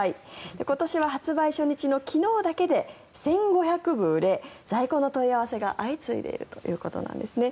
今年は発売初日の昨日だけで１５００部売れ在庫の問い合わせが相次いでいるということなんですね。